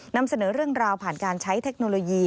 นำเสนอเรื่องราวผ่านการใช้เทคโนโลยี